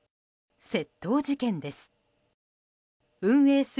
窃盗事件です。